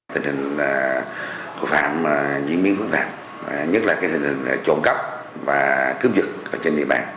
tình hình của phạm diễn biến phức tạp nhất là tình hình trộm cắp và cướp giật trên địa bàn